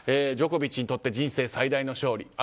ジョコビッチにとって人生最大の勝利。